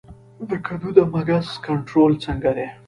د کدو د مګس کنټرول څنګه دی؟